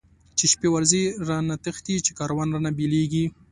چی شپی ورځی رانه تښتی، چی کاروان رانه بيليږی